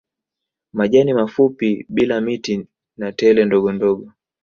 Majani mafupi bila miti na tele ndogondogo